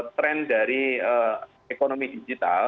tren dari ekonomi digital